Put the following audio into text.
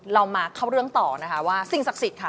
เรามาเข้าเรื่องต่อนะคะว่าสิ่งศักดิ์สิทธิ์ค่ะ